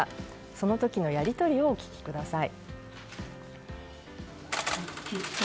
その時のやり取りをお聞きください。